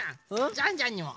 ジャンジャンにも！